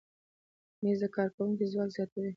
مېز د کارکوونکي ځواک زیاتوي.